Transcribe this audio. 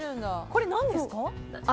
これ、何ですか？